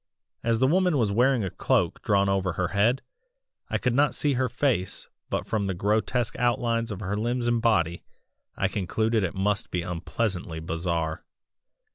As the woman was wearing a cloak drawn over her head, I could not see her face but from the grotesque outlines of her limbs and body, I concluded it must be unpleasantly bizarre.